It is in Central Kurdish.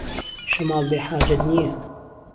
شەماڵ بێحاجەت نییه